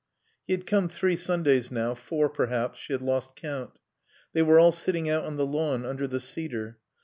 He had come three Sundays now, four perhaps; she had lost count. They were all sitting out on the lawn under the cedar.